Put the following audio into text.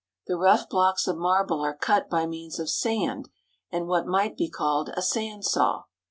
The rough blocks of marble are cut by means of sand and what might be called a sand saw.